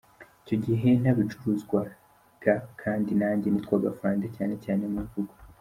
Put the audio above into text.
Icyo gihe ntabitacuruzwaga kandi nanjye nitwaga Afande cyane cyane mu mvugo!